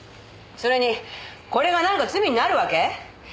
それにこれがなんか罪になるわけ？